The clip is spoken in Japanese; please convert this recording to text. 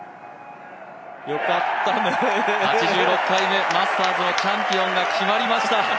８６回目マスターズのチャンピオンが決まりました。